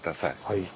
はい。